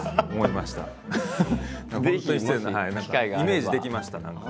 イメージできました何か。